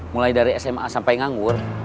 mulai dari sma sampai nganggur